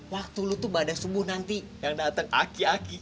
waktu lo tuh pada subuh nanti yang dateng aki aki